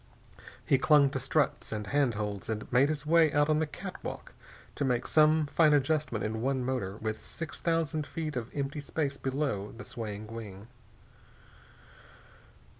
He clung to struts and handholds and made his way out on the catwalk to make some fine adjustment in one motor, with six thousand feet of empty space below the swaying wing.